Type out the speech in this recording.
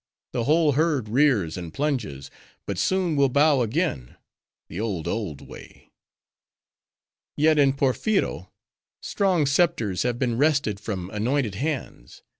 The whole herd rears and plunges, but soon will bow again: the old, old way!" "Yet, in Porpheero, strong scepters have been wrested from anointed hands.